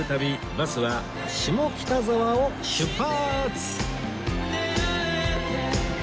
バスは下北沢を出発！